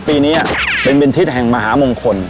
ปีนี้เป็นเป็นทิศแห่งมหามงคล